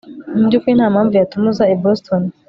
Mu byukuri nta mpamvu yatuma uza i Boston